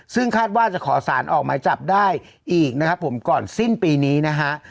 ซึ่งคาดว่าจะขอสารออกหมายจับได้อีกนะครับผมก่อนสิ้นปีนี้นะฮะ